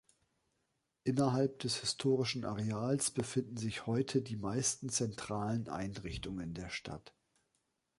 Innerhalb des historischen Areals befinden sich heute die meisten zentralen Einrichtungen der Stadt.